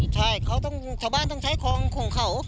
ใช่ชาวบ้านต้องใช้คลองของเขา